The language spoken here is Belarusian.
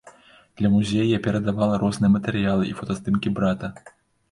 Для музея я перадавала розныя матэрыялы і фотаздымкі брата.